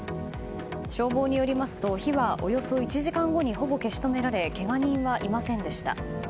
消防によりますと火はおよそ１時間後にほぼ消し止められけが人はいませんでした。